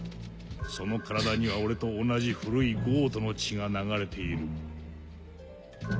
その体には俺と同じ古いゴートの血が流れている。